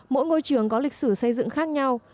mỗi ngôi trường có lịch sử xây dựng khác nhau